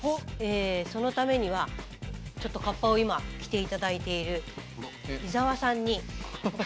そのためにはちょっとカッパを今着て頂いている伊澤さんに。